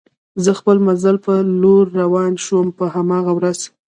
د خپل مزل په لور روان شوم، په هماغه ورځ.